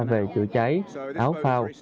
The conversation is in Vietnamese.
về chữa cháy áo phao